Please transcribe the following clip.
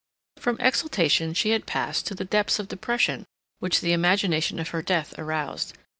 From exultation she had passed to the depths of depression which the imagination of her death aroused.